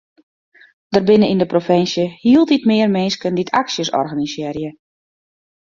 Der binne yn de provinsje hieltyd mear minsken dy't aksjes organisearje.